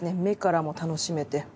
目からも楽しめて。